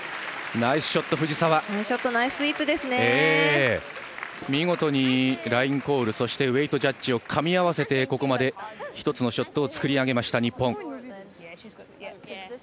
ナイスショット見事にラインコールウエイトジャッジをかみ合わせてここまで１つのショットを作り上げました、日本。